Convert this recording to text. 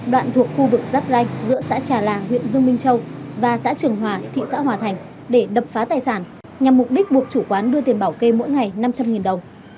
đoạn thuộc khu vực giáp ranh giữa xã trà là huyện dương minh châu và xã trường hòa thị xã hòa thành để đập phá tài sản nhằm mục đích buộc chủ quán đưa tiền bảo kê mỗi ngày năm trăm linh đồng